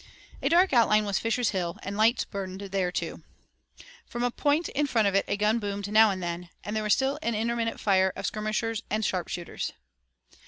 A dark outline was Fisher's Hill, and lights burned there too. From a point in front of it a gun boomed now and then, and there was still an intermittent fire of skirmishers and sharpshooters.